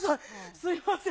すみません。